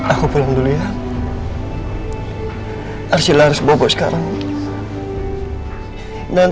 aku pulang dahulu ya